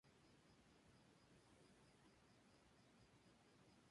Su sala de conciertos habitual es el Symphony Hall de Boston.